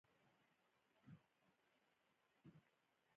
زما پلار د کلي په جرګه کې خورا قدر او منزلت لري